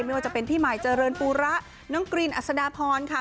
ไม่ว่าจะเป็นพี่ใหม่เจริญปูระน้องกรีนอัศดาพรค่ะ